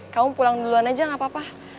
kamu pulang duluan aja gak apa apa